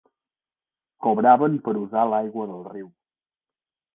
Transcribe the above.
Cobraven per usar l'aigua del riu.